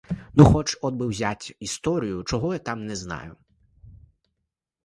Ну, от хоч би взять історію — чого я там не знаю?